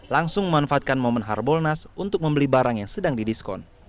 langsung memanfaatkan momen harbolnas untuk membeli barang yang sedang didiskon